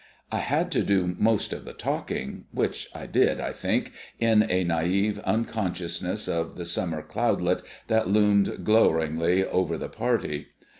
I had to do most of the talking, which I did, I think, in a naïve unconsciousness of the summer cloudlet that loomed glowering over the party.